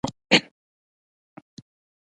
د ټولو انسانانو په زړه کې ده.